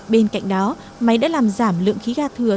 bên cạnh đó máy đã làm giảm lượng khí ga thừa